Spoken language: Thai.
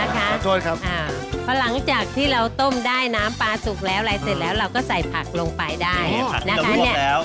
นะคะขอโทษครับอ่าเพราะหลังจากที่เราต้มได้น้ำปลาสุกแล้วละลายเสร็จแล้วเราก็ใส่ผักลงไปได้นะคะเนี่ยผักที่เราลวกแล้ว